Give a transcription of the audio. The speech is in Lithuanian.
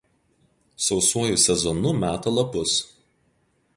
Sausuoju sezonu meta lapus.